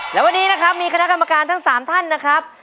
และวันนี้นะครับมีคณะกรรมการทั้ง๓ท่านนะครับ